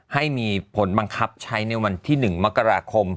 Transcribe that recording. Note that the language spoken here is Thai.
ให้มีผลบังคับใช้ในวันที่๑มกราคม